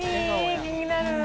気になる。